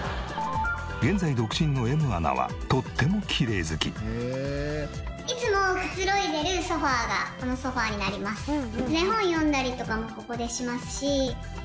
現在独身のＭアナはとってもきれい好き。がこのソファになります。